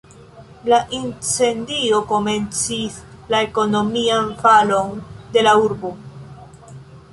La incendio komencis la ekonomian falon de la urbo.